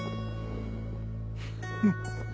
フッ。